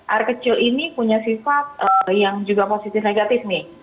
air kecil ini punya sifat yang juga positif negatif nih